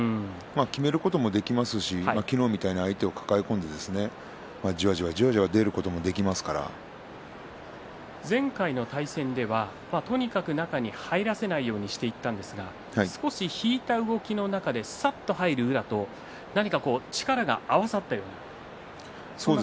きめることもできますし昨日みたいに相手を抱え込んでじわじわじわじわ前回の対戦ではとにかく中に入らせないようにしていったんですが少し引いた動きの中でさっと入る宇良と何か力が合わさったような形にも見えました。